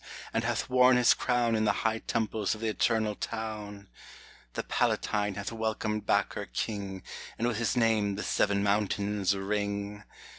and hath worn his crown In the high temples of the Eternal Town ! The Palatine hath welcomed back her king, And with his name the seven mountains ring